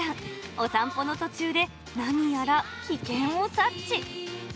お散歩の途中で、何やら危険を察知。